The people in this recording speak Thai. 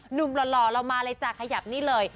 หล่อเรามาเลยจ้ะขยับนี่เลย